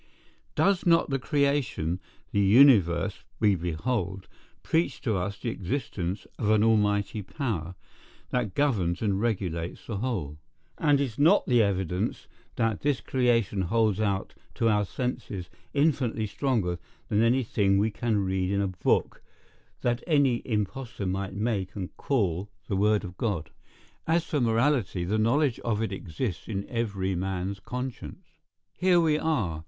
Does not the creation, the universe we behold, preach to us the existence of an Almighty power, that governs and regulates the whole? And is not the evidence that this creation holds out to our senses infinitely stronger than any thing we can read in a book, that any imposter might make and call the word of God? As for morality, the knowledge of it exists in every man's conscience. Here we are.